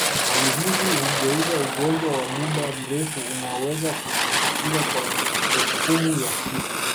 Hali hizi hugeuza ugonjwa wa muda mrefu unaoweza kudhibitiwa kwa hukumu ya kifo